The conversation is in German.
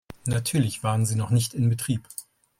Natürlich waren sie noch nicht in Betrieb.